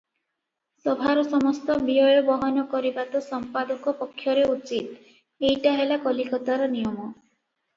ସଭାର ସମସ୍ତ ବ୍ୟୟ ବହନ କରିବା ତ ସମ୍ପାଦକ ପକ୍ଷରେ ଉଚିତ, ଏଇଟା ହେଲା କଲିକତାର ନିୟମ ।